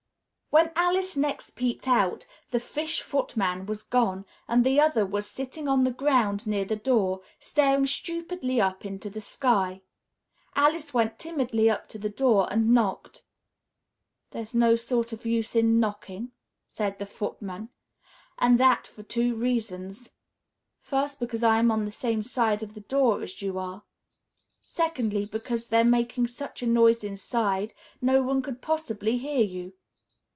When Alice next peeped out, the Fish Footman was gone, and the other was sitting on the ground near the door, staring stupidly up into the sky. Alice went timidly up to the door and knocked. "There's no sort of use in knocking," said the Footman, "and that for two reasons. First, because I'm on the same side of the door as you are; secondly, because they're making such a noise inside, no one could possibly hear you."